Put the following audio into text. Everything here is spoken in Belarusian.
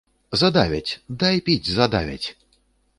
Задавяць, дай піць задавяць.